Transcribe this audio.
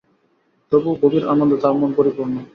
তবু গভীর আনন্দে তাঁর মন পরিপূর্ণ।